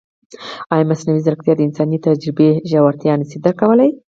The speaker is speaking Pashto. ایا مصنوعي ځیرکتیا د انساني تجربې ژورتیا نه شي درک کولی؟